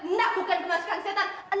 enak bukan kemasukan setan